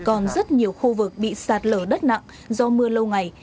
còn rất nhiều khu vực bị sạt lở đất nặng do mưa lâu ngày